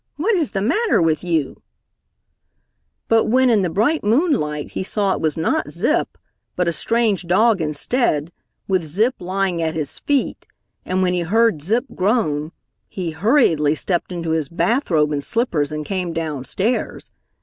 What is the matter with you?" But when in the bright moonlight he saw it was not Zip, but a strange dog instead, with Zip lying at his feet, and when he heard Zip groan, he hurriedly stepped into his bathrobe and slippers and came downstairs.